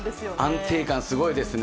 安定感すごいですね。